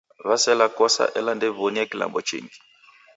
W'asela kose ela ndew'iw'onie klambo chingi.